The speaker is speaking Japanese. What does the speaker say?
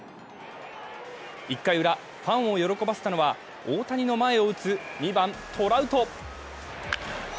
１回ウラ、ファンを喜ばせたのは大谷の前を打つ２番・トラウト。